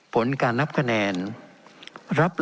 เป็นของสมาชิกสภาพภูมิแทนรัฐรนดร